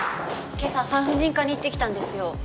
今朝産婦人科に行ってきたんですよ。